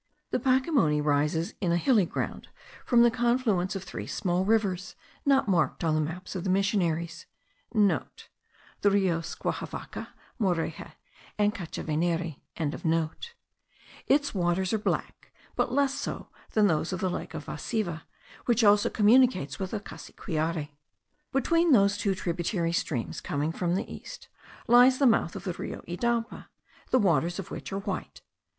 The Pacimoni rises in a hilly ground, from the confluence of three small rivers,* not marked on the maps of the missionaries. (* The Rios Guajavaca, Moreje, and Cachevaynery.) Its waters are black, but less so than those of the lake of Vasiva, which also communicates with the Cassiquiare. Between those two tributary streams coming from the east, lies the mouth of the Rio Idapa, the waters of which are white.